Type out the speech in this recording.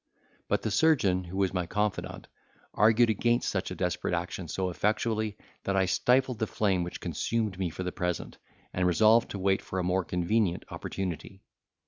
But the surgeon, who was my confidant, argued against such a desperate action so effectually, that I stifled the flame which consumed me for the present, and resolved to wait for a more convenient opportunity.